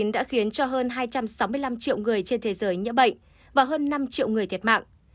đã khiến cho hơn hai trăm sáu mươi năm triệu người trên thế giới nhiễm bệnh và hơn năm triệu người thiệt mạng